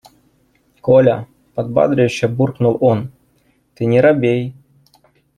– Коля, – подбадривающе буркнул он, – ты не робей.